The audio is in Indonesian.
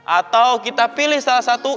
atau kita pilih salah satu